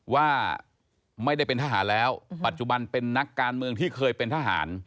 ว่าไม่ได้เป็นทหารแล้วปัจจุบันเป็นนักการเมืองที่เคยเป็นทหาร